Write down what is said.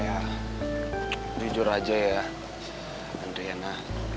ya jujur aja ya andriana